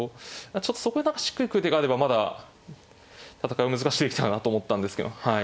ちょっとそこで何かしっくり来る手があればまだ戦いを難しくできたなと思ったんですけどはい。